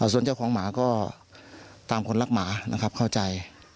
ส่วนเจ้าของหมาก็ตามคนรักหมาข้าวใจ